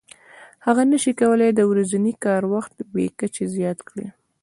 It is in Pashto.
هغه نشي کولای د ورځني کار وخت بې کچې زیات کړي